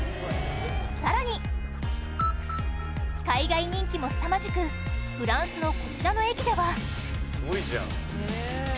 更に、海外人気もすさまじくフランスの、こちらの駅では岩井：すごいじゃん。